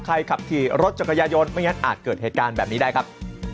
ขับขี่รถจักรยายนไม่งั้นอาจเกิดเหตุการณ์แบบนี้ได้ครับ